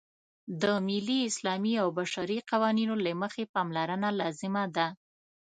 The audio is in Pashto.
د ملي، اسلامي او بشري قوانینو له مخې پاملرنه لازمه ده.